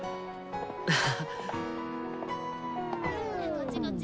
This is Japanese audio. こっちこっち。